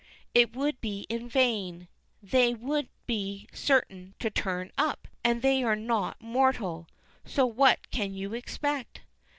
it would be in vain; they would be certain to turn up; and they are not mortal, so what can you expect?